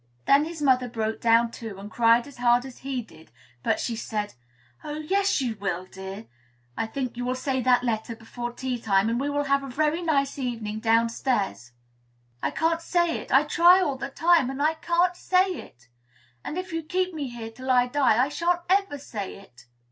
Then his mother broke down, too, and cried as hard as he did; but she said, "Oh! yes, you will, dear. I think you will say that letter before tea time, and we will have a nice evening downstairs together." "I can't say it. I try all the time, and I can't say it; and, if you keep me here till I die, I shan't ever say it."